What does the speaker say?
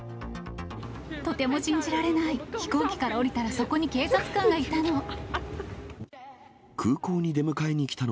とても信じられない、飛行機から降りたら、そこに警察官がいたの。